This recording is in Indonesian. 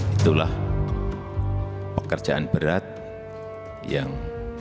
itulah pekerjaan berat yang